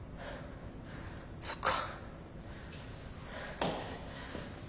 そっか。